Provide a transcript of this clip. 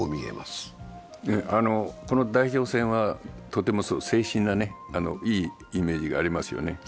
この代表選はとても清新ないいイメージがありますよね。